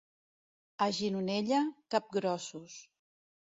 A Gironella, capgrossos.